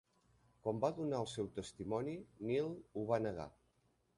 Quan va donar el seu testimoni, Neal ho va negar.